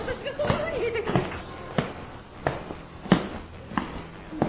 うっうん。